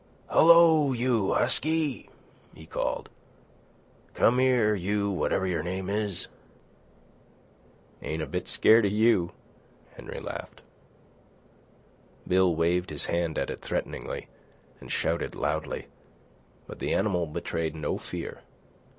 "Hello, you husky!" he called. "Come here, you whatever your name is." "Ain't a bit scairt of you," Henry laughed. Bill waved his hand at it threateningly and shouted loudly; but the animal betrayed no fear.